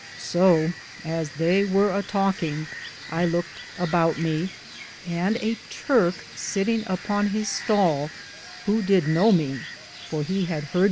Soe, as theye weare a talkinge, I louked aboute me, and a Turke, settinge upon his stale (stall), who did know me — for he had hard me MR.